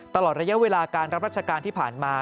ตลอดระยะเวลาการรับราชการที่ผ่านมา